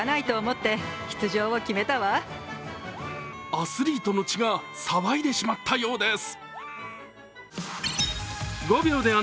アスリートの血が騒いでしまったようです。